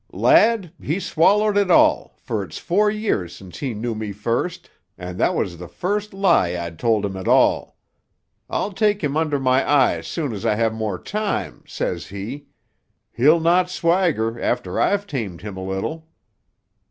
"Lad, he swallowed it all, for it's four years since he knew me first, and that was the first lie I'd told him at all. 'I'll take him under my eye soon as I have more time,' says he. 'He'll not swagger after I've tamed him a little.